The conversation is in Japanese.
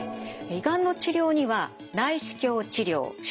胃がんの治療には内視鏡治療手術